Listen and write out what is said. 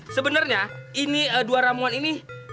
sebenarnya ini dua ramuan ini